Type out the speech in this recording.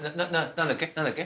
何だっけ？